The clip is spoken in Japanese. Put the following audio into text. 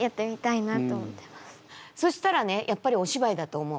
そしたらねやっぱりお芝居だと思う。